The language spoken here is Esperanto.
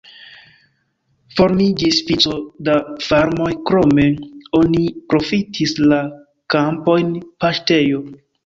Formiĝis vico da farmoj, krome oni profitis la kampojn paŝtejo.